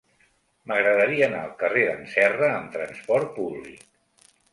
M'agradaria anar al carrer d'en Serra amb trasport públic.